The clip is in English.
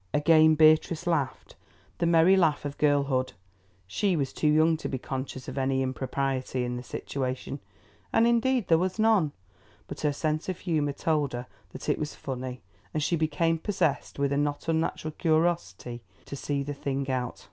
Again Beatrice laughed the merry laugh of girlhood; she was too young to be conscious of any impropriety in the situation, and indeed there was none. But her sense of humour told her that it was funny, and she became possessed with a not unnatural curiosity to see the thing out.